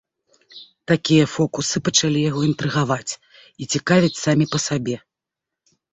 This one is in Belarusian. Такія фокусы пачалі яго інтрыгаваць і цікавіць самі па сабе.